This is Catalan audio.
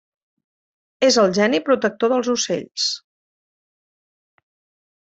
És el geni protector dels ocells.